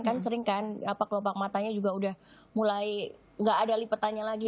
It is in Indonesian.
kan sering kan kelopak matanya juga udah mulai nggak ada liputannya lagi